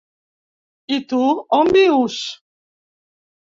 I tu, on vius?